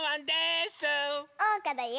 おうかだよ！